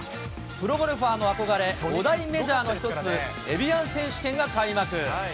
プロゴルファーの憧れ、５大メジャーの１つ、エビアン選手権が開幕。